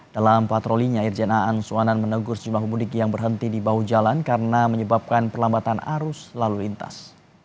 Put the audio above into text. dalam patrolinya irjen aan suwanan menegur sejumlah pemudik yang berhenti di bahu jalan karena menyebabkan perlambatan arus lalu lintas